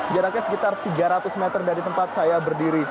jaraknya sekitar tiga ratus meter dari tempat saya berdiri